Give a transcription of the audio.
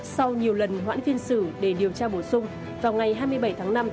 sau nhiều lần hoãn phiên xử để điều tra bổ sung vào ngày hai mươi bảy tháng năm